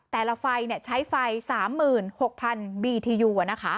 แต่ละไฟเนี้ยใช้ไฟสามหมื่นหกพันบีทียูอ่ะนะคะ